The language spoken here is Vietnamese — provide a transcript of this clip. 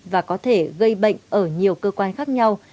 và có thể gây bệnh ở nhiều cơ quan khác nhau